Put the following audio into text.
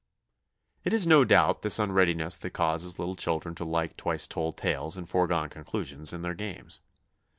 It is no doubt this unreadiness that causes little children to like twice told tales and foregone conclusions in their games.